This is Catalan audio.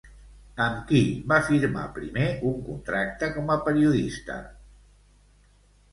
Amb qui va firmar primer un contracte com a periodista?